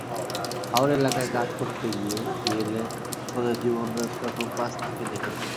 হাওর এলাকায় কাজ করতে গিয়ে জেলে সম্প্রদায়ের জীবনযাত্রা খুব কাছ থেকে দেখেছি।